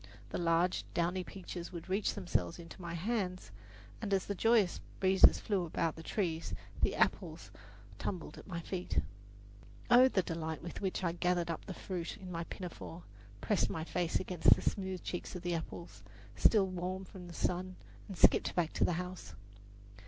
The large, downy peaches would reach themselves into my hand, and as the joyous breezes flew about the trees the apples tumbled at my feet. Oh, the delight with which I gathered up the fruit in my pinafore, pressed my face against the smooth cheeks of the apples, still warm from the sun, and skipped back to the house!